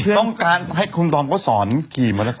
ต้องการให้คุณดอมเขาสอนขี่มอเตอร์ไซค